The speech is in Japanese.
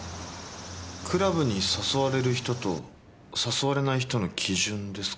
クラブに誘われる人と誘われない人の基準ですか？